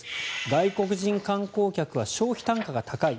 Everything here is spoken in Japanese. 外国人観光客は消費単価が高い。